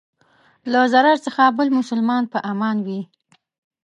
له ضرر څخه بل مسلمان په امان وي.